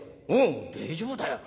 おお大丈夫だよ。